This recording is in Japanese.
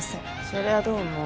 それはどうも。